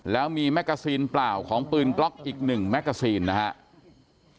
แล้วมีแมกกาซีนเปล่าของปืนกล็อกอีก๑แมกกาซีนนะครับ